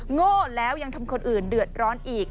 โง่แล้วยังทำคนอื่นเดือดร้อนอีก